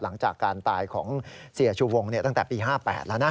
หลังจากการตายของเสียชูวงตั้งแต่ปี๕๘แล้วนะ